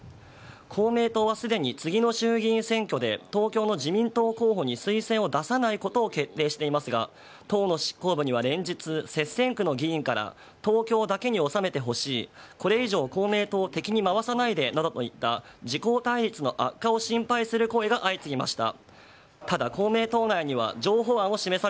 公明党はすでに次の衆議院選挙で、東京の自民党候補に推薦を出さないことを決定していますが、党の執行部には連日、接戦区の議員から、東京だけに収めてほしい、これ以上、公明党を敵に回さないでなどといった自公対立の悪化を心配する声が相次ぎました。